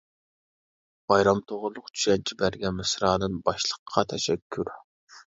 بايرام توغرىلىق چۈشەنچە بەرگەن مىسرانىم باشلىققا تەشەككۈر!